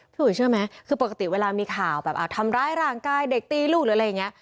อุ๋ยเชื่อไหมคือปกติเวลามีข่าวแบบทำร้ายร่างกายเด็กตีลูกหรืออะไรอย่างนี้